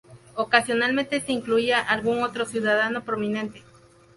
Ocasionalmente se incluía algún otro ciudadano prominente.